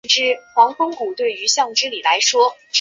即有地质遗迹资源分布的地点。